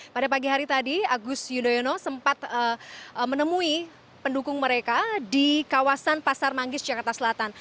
pada pagi hari tadi agus yudhoyono sempat menemui pendukung mereka di kawasan pasar manggis jakarta selatan